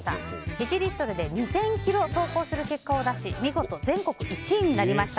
１リットルで２０００ｋｍ走行する結果を残し見事全国１位になりました。